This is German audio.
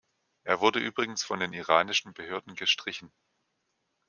Er wurde übrigens von den iranischen Behörden gestrichen.